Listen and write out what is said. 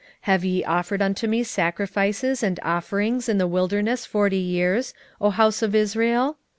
5:25 Have ye offered unto me sacrifices and offerings in the wilderness forty years, O house of Israel?